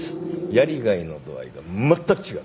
やりがいの度合いが全く違う。